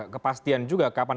kepastian juga kapan